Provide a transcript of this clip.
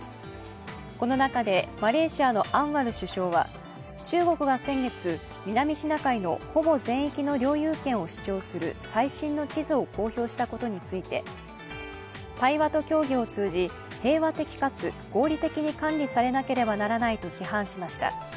この中でマレーシアのアンワル首相は中国が先月南シナ海のほぼ全域の領有権を主張する最新の地図を公表したことについて、対話と協議を通じ平和的かつ合理的に管理されなければならないと批判しました。